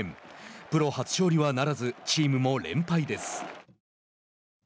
プロ初勝利はならずチームも連敗です。